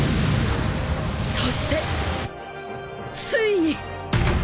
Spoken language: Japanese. ［そしてついに！］